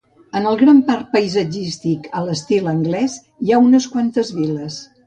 En el gran parc paisatgístic a l'estil anglès hi ha unes quantes vil·les.